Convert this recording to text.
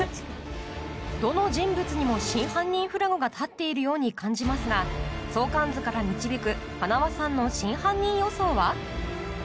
どの人物にも真犯人フラグが立っているように感じますが相関図から導く塙さんの真犯人予想は？